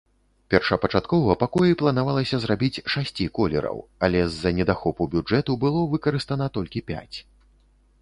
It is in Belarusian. Першапачаткова пакоі планавалася зрабіць шасці колераў, але з-за недахопу бюджэту было выкарыстана толькі пяць.